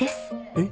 えっ？